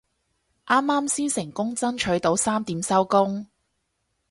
啱啱先成功爭取到三點收工